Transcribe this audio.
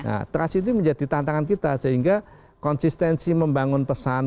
nah trust itu menjadi tantangan kita sehingga konsistensi membangun pesan